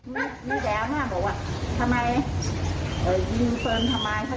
มีแม่บ้านบอกว่าทำไมยิงปืนทำไม